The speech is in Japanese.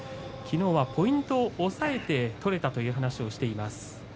きのうは、ポイントを押さえて取れたという話をしています。